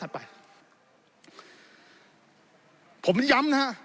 ผมย้ำนะฮะ